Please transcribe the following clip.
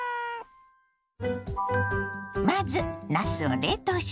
まずなすを冷凍します。